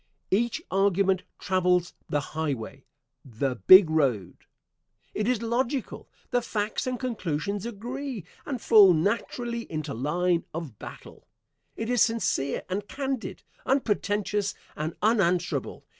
Each argument travels the highway "the big road." It is logical. The facts and conclusions agree, and fall naturally into line of battle. It is sincere and candid unpretentious and unanswerable.